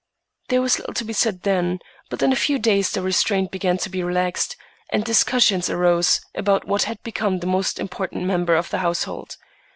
There was little to be said then, but in a few days the restraint began to be relaxed, and discussions arose about what had become the most important member of the household.